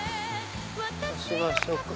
差しましょうか。